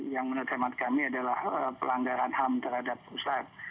yang menurut ahmad kami adalah pelanggaran ham terhadap ustad